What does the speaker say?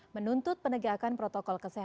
menuntut penegakan protokol kesehatan